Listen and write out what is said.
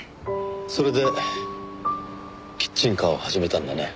それでキッチンカーを始めたんだね。